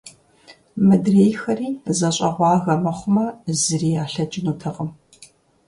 Мыдрейхэри зэщӀэгъуагэ мыхъумэ, зыри ялъэкӀынутэкъым.